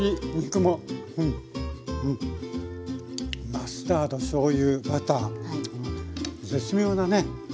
マスタードしょうゆバター絶妙なね